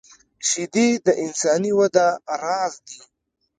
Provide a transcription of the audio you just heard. شیدې د انساني وده راز دي